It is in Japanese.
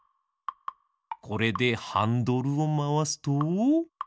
これでハンドルをまわすと。